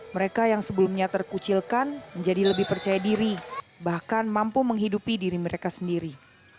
mereka yang sebelumnya terkucilkan menjadi lebih percaya diri bahkan mampu menghidupi diri mereka sendiri